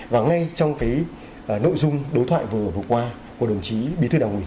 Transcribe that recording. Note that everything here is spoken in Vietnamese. và ngay trong cái nội dung đối thoại vừa vừa qua của đồng chí bí thư đảng quỳnh